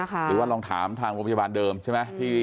หรือว่าลองถามทางโรงพยาบาลเดิมใช่ไหม